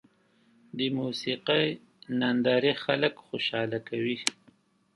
د موسیقۍ نندارې خلک خوشحاله کوي.